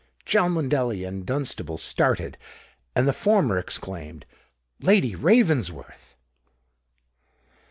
Cholmondeley and Dunstable started; and the former exclaimed, "Lady Ravensworth!"